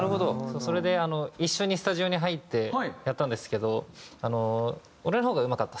それで一緒にスタジオに入ってやったんですけど。